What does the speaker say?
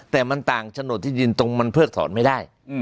แต่มันต่างโฉนดที่ดินตรงมันเพิกถอนไม่ได้